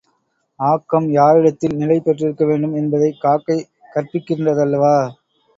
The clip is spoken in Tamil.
ஆக்கம் யாரிடத்தில் நிலைபெற்றிருக்க வேண்டும் என்பதைக் காக்கை கற்பிக்கின்றதல்லவா?